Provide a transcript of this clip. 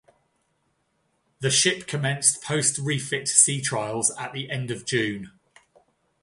The ship commenced post-refit sea trials at the end of June.